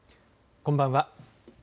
こんばんは。